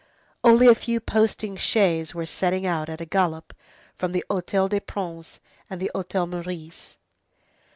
Only a few posting chaises were setting out at a gallop from the Hôtel des Princes and the Hôtel Meurice.